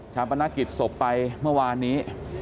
ชาประณะกิจศพไปเมื่อวานนี้